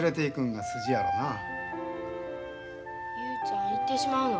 雄ちゃん行ってしまうの？